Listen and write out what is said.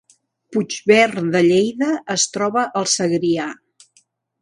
Puigverd de Lleida es troba al Segrià